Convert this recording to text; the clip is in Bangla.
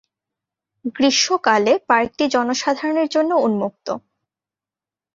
গ্রীষ্মকালে পার্কটি জনসাধারণের জন্য উন্মুক্ত।